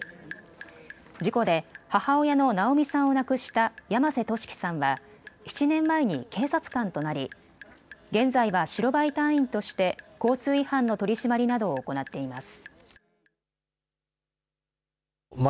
事故で母親の直美さんを亡くした山瀬俊貴さんは７年前に警察官となり現在は白バイ隊員として交通違反の取締りなどを行っています。